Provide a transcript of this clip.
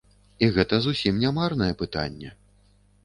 І гэта зусім не марнае пытанне.